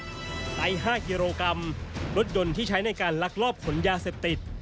ใน๕กิโลกรัมรถยนต์ที่ใช้ในการลักลอบขนยาเสพติด